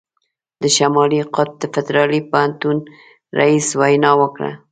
د شمالي قطب د فدرالي پوهنتون رييس وینا وکړه.